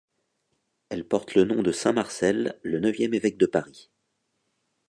Elle porte le nom de saint Marcel, le neuvième évêque de Paris.